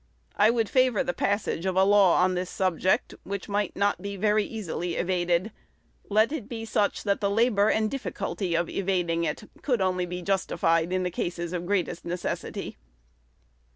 I would favor the passage of a law on this subject which might not be very easily evaded. Let it be such that the labor and difficulty of evading it could only be justified in cases of greatest necessity.